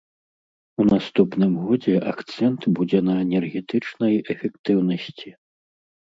У наступным годзе акцэнт будзе на энергетычнай эфектыўнасці.